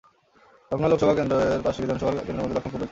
লখনউ লোকসভা কেন্দ্র-এর পাঁচটি বিধানসভা কেন্দ্রের মধ্যে লখনউ পূর্ব একটি।